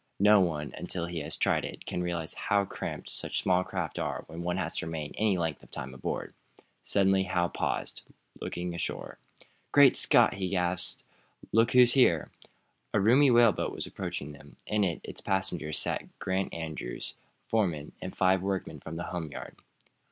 No one, until he has tried it, can realize how cramped such small craft are when one has to remain any length of time aboard. Suddenly Hal paused, pointing landward. "Great Scott!" he gasped. "Look who's here!" A roomy whaleboat was approaching them. In it, as passengers, sat Grant Andrews, foreman, and five workmen from the home yard.